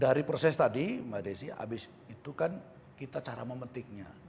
dari proses tadi mbak desi habis itu kan kita cara memetiknya